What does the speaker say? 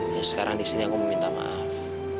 ya sekarang disini aku mau minta maaf